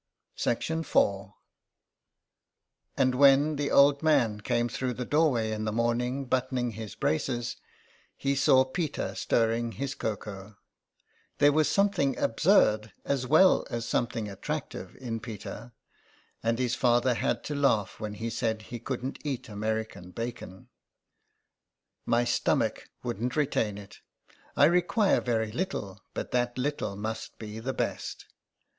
IV. And when the old man came through the doorway in the morning buttoning his braces, he saw Peter stirring his cocoa. There was something absurd as well as something attractive in Peter, and his father 132 THE EXILE. had to laugh when he said he couldn't eat American bacon. " My stomach wouldn't retain it. I require very little, but that little must be the best."